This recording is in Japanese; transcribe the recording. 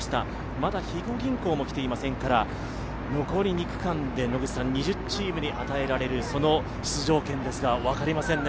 まだ肥後銀行も来ていませんから、残り２区間で２０チームに与えられるその出場権、分かりませんね。